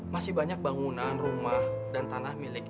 masih banyak bangunan rumah dan tanah milik